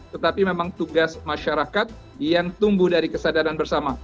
tetapi memang tugas masyarakat yang tumbuh dari kesadaran bersama